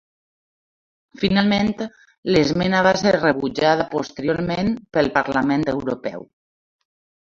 Finalment, l'esmena va ser rebutjada posteriorment pel Parlament Europeu.